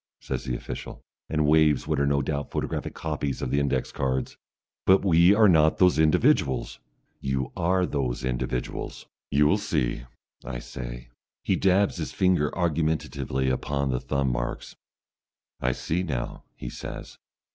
says the official, and waves what are no doubt photographic copies of the index cards. "But we are not those individuals!" "You are those individuals." "You will see," I say. He dabs his finger argumentatively upon the thumb marks. "I see now," he says.